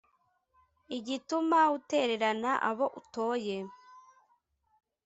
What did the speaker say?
Igituma utererana abo utoye,